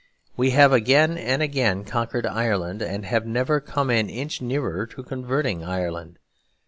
We have again and again conquered Ireland, and have never come an inch nearer to converting Ireland.